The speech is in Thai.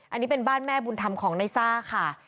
อันนี้เป็นบ้านแม่บุญธรรมของในซ่าค่ะ